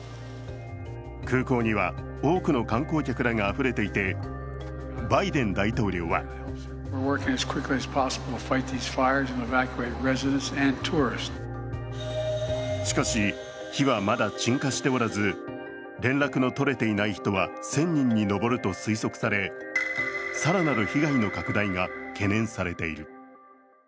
空港には多くの観光客らがあふれていて、バイデン大統領はしかし火はまだ鎮火しておらず連絡の取れていない人は１０００人に上ると推測され更なる被害の拡大が懸念されている。